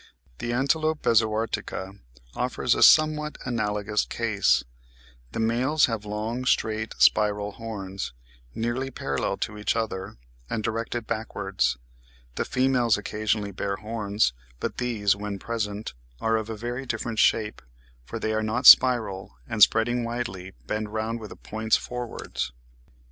The Antilope bezoartica offers a somewhat analogous case: the males have long straight spiral horns, nearly parallel to each other, and directed backwards; the females occasionally bear horns, but these when present are of a very different shape, for they are not spiral, and spreading widely, bend round with the points forwards.